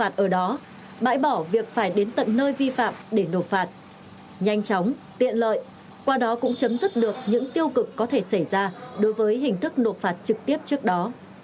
tiện lợi qua đó cũng chấm dứt được những tiêu cực có thể xảy ra đối với hình thức nộp phạt trực tiếp trước đó